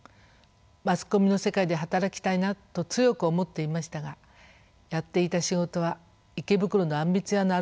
マスコミの世界で働きたいなと強く思っていましたがやっていた仕事は池袋のあんみつ屋のアルバイトでした。